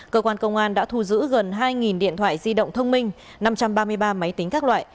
cơ quan công an đã thu giữ gần hai điện thoại di động thông minh năm trăm ba mươi ba máy tính các loại